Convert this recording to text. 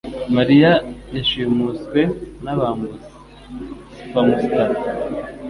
Mariya yashimuswe nabambuzi (Spamster)